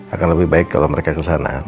akan lebih baik kalau mereka kesana